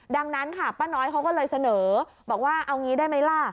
ดังนั้นค่ะป้าน้อยเขาก็เลยเสนอบอกว่าเอางี้ได้ไหมล่ะ